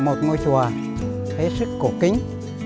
một ngôi chùa hết sức cổ kính